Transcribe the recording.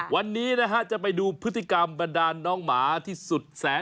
วันนี้นะฮะจะไปดูพฤติกรรมบรรดาลน้องหมาที่สุดแสน